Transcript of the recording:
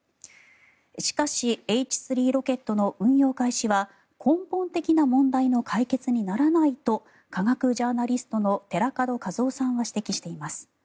しかし、Ｈ３ロケットの運用開始は根本的な問題の解決にならないと化学ジャーナリストの寺門和夫さんは指摘しています。